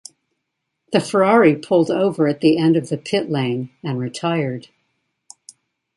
The Ferrari pulled over at the end of the pit lane and retired.